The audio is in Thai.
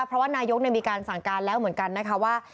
เพราะว่านายกมีการสั่งการแล้วเหมือนกันนะคะว่า